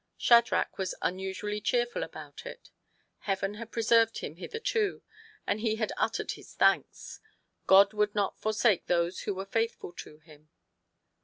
Shadrach was unusually cheerful about it : Heaven had preserved him hitherto, and he had uttered his thanks. God would not forsake those who were faithful to Him.